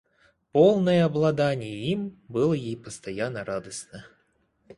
Полное обладание им было ей постоянно радостно.